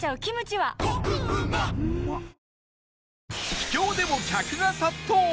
秘境でも客が殺到！